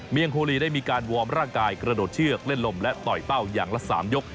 งโฮลีได้มีการวอร์มร่างกายกระโดดเชือกเล่นลมและต่อยเป้าอย่างละ๓ยก